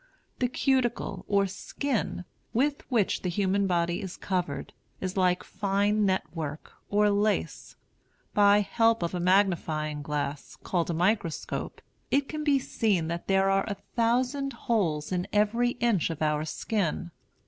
The cuticle, or skin, with which the human body is covered, is like fine net work, or lace. By help of a magnifying glass, called a microscope, it can be seen that there are a thousand holes in every inch of our skin.